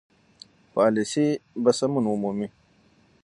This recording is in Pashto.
پالیسي به سمون ومومي.